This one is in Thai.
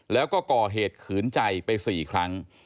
แล้วก็ก่อเหตุขืนใจไป๔ครั้ง